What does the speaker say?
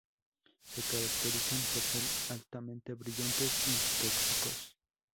Se caracterizan por ser altamente brillantes y tóxicos.